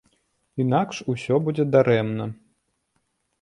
Інакш усё будзе дарэмна.